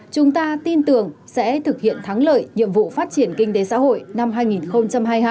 chúng ta tin tưởng sẽ thực hiện thắng lợi nhiệm vụ phát triển kinh tế xã hội năm hai nghìn hai mươi hai